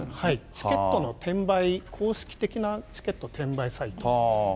チケットの転売、公式的なチケット転売サイトですね。